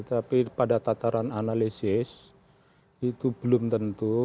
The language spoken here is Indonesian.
tapi pada tataran analisis itu belum tentu